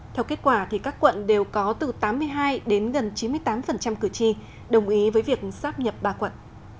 theo kết quả các quận đều có từ tám mươi hai đến gần chín mươi tám cử tri đồng ý với việc sắp nhập ba quận